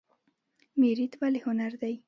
میریت ولې هنر دی؟